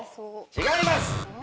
違います。